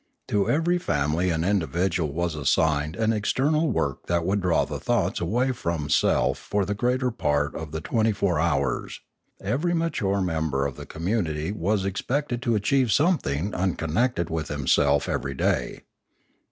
To every family and individual was assigned an external work that would draw the thoughts away from self for the greater part of the twenty four hours; every mature member of the community was expected to achieve something unconnected with himself every day.